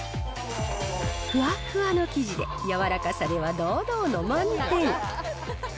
ふわっふわの生地で柔らかさでは堂々の満点。